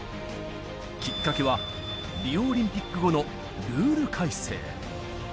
きっかけは、リオオリンピック後のルール改正。